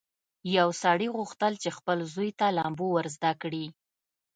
یو سړي غوښتل چې خپل زوی ته لامبو ور زده کړي.